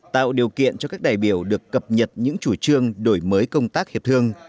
tạo điều kiện cho các đại biểu được cập nhật những chủ trương đổi mới công tác hiệp thương